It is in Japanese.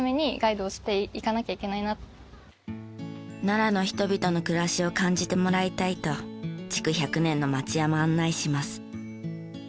奈良の人々の暮らしを感じてもらいたいと築１００年の町屋も案内します。